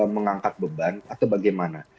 mengangkat beban atau bagaimana